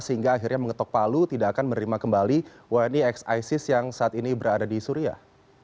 sehingga akhirnya mengetok palu tidak akan menerima kembali wni ex isis yang saat ini berada di suriah